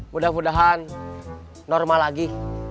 mudah mudahan normal lagi